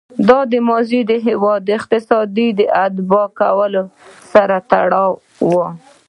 دا ماضي د هېواد اقتصاد له تباه کولو سره تړلې وه.